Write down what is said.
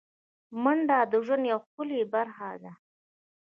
منډه د ژوند یوه ښکلی برخه ده